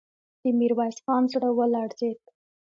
د ميرويس خان زړه ولړزېد.